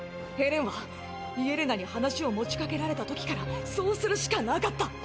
エレンはイェレナに話を持ちかけられた時からそうするしか無かった！